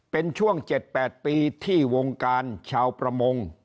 เป็นช่วง๗๘ปีที่วงการชาวประมง